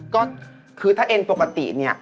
ก็คือถ้าเอ็นปกติเนี่ย